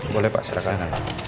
boleh pak silakan